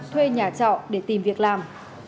thuê nhà trọ để tìm việc làm